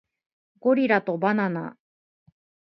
ゴリラとバナナ